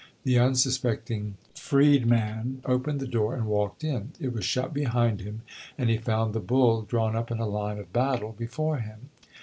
The unsuspecting freedman opened the door and walked in; it was shut behind him, and he found the bull drawn up in line of battle before him.